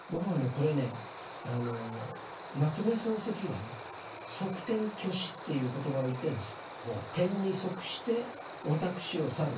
これね夏目漱石がね「則天去私」っていう言葉を言ってるんですよ。